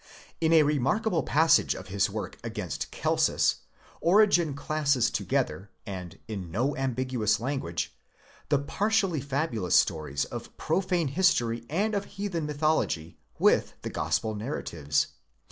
Ina re markable passage of his work against Celsus, Origen classes together, and im no ambiguous language, the partially fabulous stories of profane history, and of heathen mythology, with the gospel narratives.